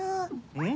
うん？